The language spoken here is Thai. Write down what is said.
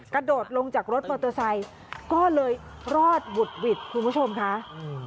กระโดดลงจากรถมอเตอร์ไซค์ก็เลยรอดบุดหวิดคุณผู้ชมค่ะอืม